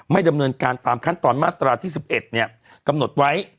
ไม่ดำเนินการตามขั้นตอนมาตราที่สิบเอ็ดเนี้ยกำหนดไว้